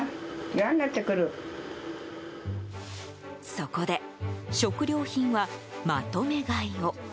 そこで食料品はまとめ買いを。